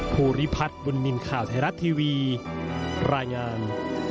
ภูริพัฒน์บุญนินทร์ข่าวไทยรัฐทีวีรายงาน